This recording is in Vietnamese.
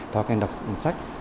thói quen đọc sách